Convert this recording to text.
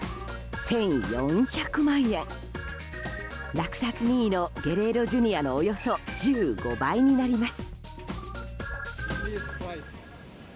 落札２位のゲレーロＪｒ．のおよそ１５倍になります。